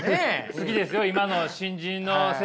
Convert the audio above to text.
好きですよ